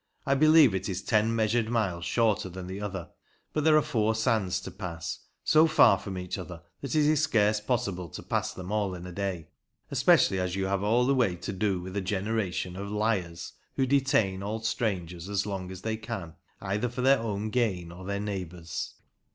I believe it is ten measured miles shorter than the other, but there are four sands to pass, so far from each other that it is scarce possible to pass them all in a day ; especially as you have all the way to do with a generation of liars, who detain all strangers as long as they can, either for their own gain or their neighbours'.